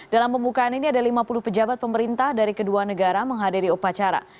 dalam pembukaan ini ada lima puluh pejabat pemerintah dari kedua negara menghadiri upacara